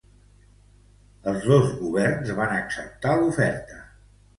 Els dos governs van acceptar l'oferta.